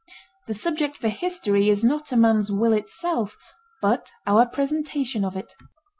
The subject for history is not man's will itself but our presentation of it.